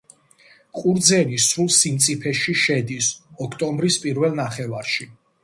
ყურძენი სრულ სიმწიფეში შედის ოქტომბრის პირველ ნახევარში.